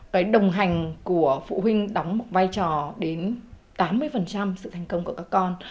cái đồng hành của phụ huynh đóng một vai trò đến tám mươi sự thành công của các con